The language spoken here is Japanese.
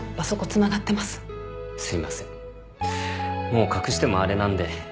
もう隠してもあれなんで。